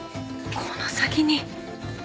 この先に！